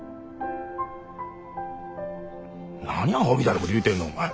何アホみたいなこと言うてんのお前。